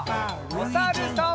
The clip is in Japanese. おさるさん。